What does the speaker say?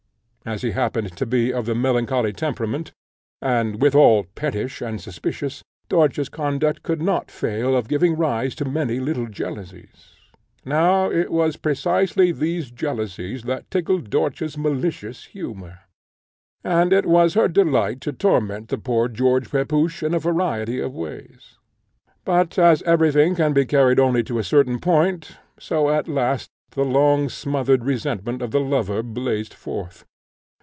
As he happened to be of a melancholy temperament, and withal pettish and suspicious, Dörtje's conduct could not fail of giving rise to many little jealousies. Now it was precisely these jealousies that tickled Dörtje's malicious humour; and it was her delight to torment the poor George Pepusch in a variety of ways: but as every thing can be carried only to a certain point, so at last the long smothered resentment of the lover blazed forth.